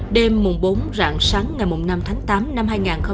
đêm bốn rạng sáng ngày năm tháng tám năm hai nghìn bảy